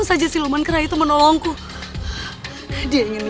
selek sembunyi dimana kamu